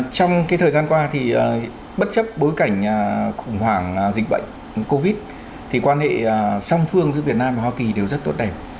trong thời gian qua bất chấp bối cảnh khủng hoảng dịch bệnh covid thì quan hệ song phương giữa việt nam và hoa kỳ đều rất tốt đẹp